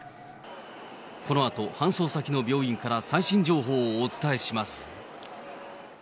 このあと搬送先の病院から、最新情報お伝えします。